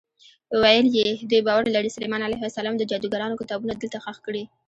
ویل یې دوی باور لري سلیمان علیه السلام د جادوګرانو کتابونه دلته ښخ کړي.